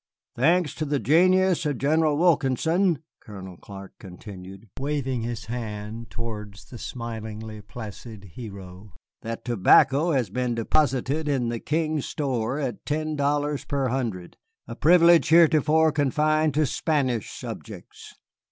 "Thanks to the genius of General Wilkinson," Colonel Clark continued, waving his hand towards the smilingly placid hero, "that tobacco has been deposited in the King's store at ten dollars per hundred, a privilege heretofore confined to Spanish subjects.